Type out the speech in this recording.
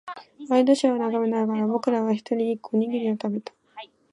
ワイドショーを眺めながら、僕らは一人、一個、おにぎりを食べた。